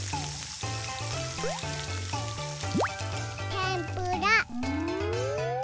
てんぷら。